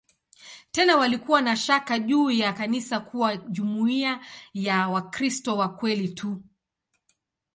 Tena walikuwa na shaka juu ya kanisa kuwa jumuiya ya "Wakristo wa kweli tu".